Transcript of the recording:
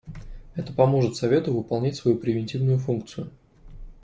Это поможет Совету выполнять свою превентивную функцию.